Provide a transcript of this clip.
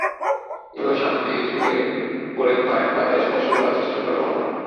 এবার সামনের দিকে ঝুঁকে পড়ে পায়ের পাতা স্পর্শ করার চেষ্টা করুন।